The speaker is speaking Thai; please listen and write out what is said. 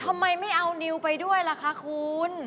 ทำไมไม่เอานิวไปด้วยล่ะคะคุณ